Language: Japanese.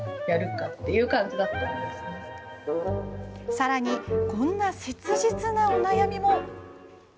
さらに、こんな切実なお悩みも。